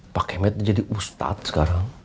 pak kemet jadi ustad sekarang